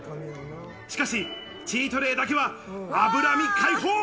しかしチートデイだけは脂身開放！